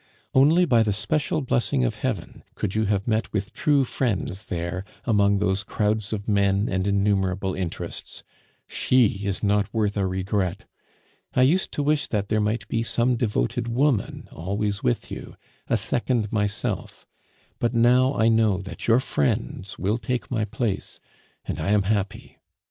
Only by the special blessing of Heaven could you have met with true friends there among those crowds of men and innumerable interests. She is not worth a regret. I used to wish that there might be some devoted woman always with you, a second myself; but now I know that your friends will take my place, and I am happy.